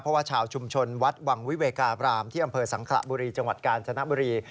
เพราะว่าชาวชุมชนวัดวังวิเวกาบรามที่อำเภอสังขระบุรีจังหวัดกาญจนบุรี